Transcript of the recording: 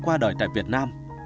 qua đời tại việt nam